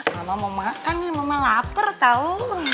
mama mau makan nih mama lapar tau